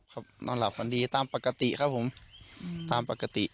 นอนหลับฝันดีตามปกติครับผมตามปกติ